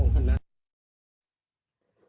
ภาษาอาวุธี๑๖๙๕